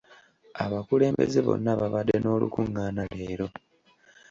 Abakulembeze bonna babadde n'olukungaana leero.